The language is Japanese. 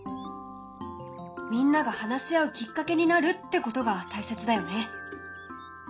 みんなが話し合うきっかけになるってことが大切だよね。